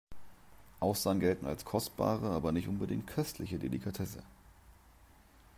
Austern gelten als kostbare aber nicht unbedingt köstliche Delikatesse.